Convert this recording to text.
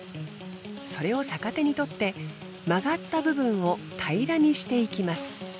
それを逆手に取って曲がった部分を平らにしていきます。